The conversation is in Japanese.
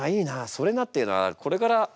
「それな」っていうのはこれからお。